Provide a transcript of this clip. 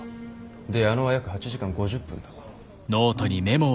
で矢野は約８時間５０分だ。